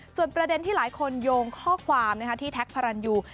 ส่วนประเด็นที่หลายคนโยงข้อความที่แท็กพระรันยู